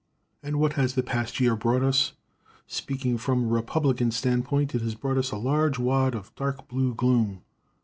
And what has the past year brought us? Speaking from a Republican standpoint, it has brought us a large wad of dark blue gloom.